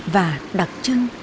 và đặc trưng